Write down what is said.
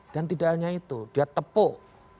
dan tidak hanya itu dia tepuk